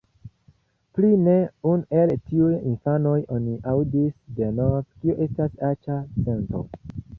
Pri ne unu el tiuj infanoj oni aŭdis denove, kio estas aĉa sento.